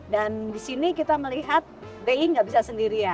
dan disini kita melihat bi gak bisa sendirian